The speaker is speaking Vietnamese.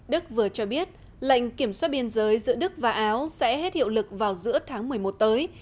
đức vừa cho biết lệnh kiểm soát biên giới giữa đức và áo sẽ hết hiệu lực vào giữa tháng một mươi một tới